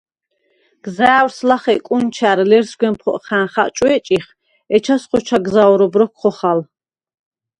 გზა̄̈ვრს ლახე კუნჩა̈რ ლერსგვან ფოყხა̈ნ ხა̈ჭვე̄ჭეხ, ეჩას ხოჩა გზა̄ვრობ როქვ ხოხალ.